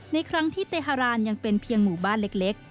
ในครั้งที่เตฮารานยังเป็นเพียงหมู่บ้านเล็ก